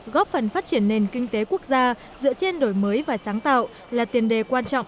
góp phần phát triển nền kinh tế quốc gia dựa trên đổi mới và sáng tạo là tiền đề quan trọng